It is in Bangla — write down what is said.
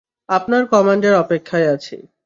আপনার কমান্ডের অপেক্ষায় আছি।